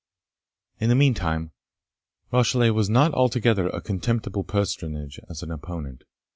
In the meantime, Rashleigh was not altogether a contemptible personage as an opponent.